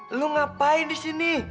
lo ngapain di sini